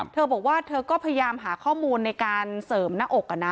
เธอบอกว่าเธอก็พยายามหาข้อมูลในการเสริมหน้าอก